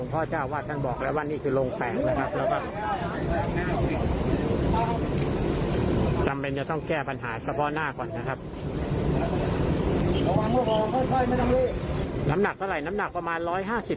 คุยมาแล้วนะครับเดี๋ยวดูเหตุการณ์นี้ก่อนนะครับ